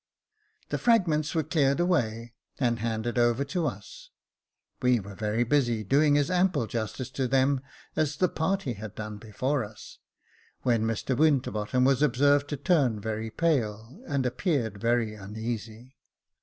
The fragments were cleared away, and handed over to us. We were very busy, doing as ample justice to them as the party had done before us, when Mr Winterbottom was observed to turn very pale, and appeared very uneasy.